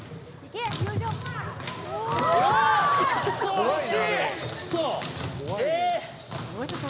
惜しい！